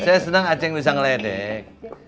saya senang aceh bisa ngeledek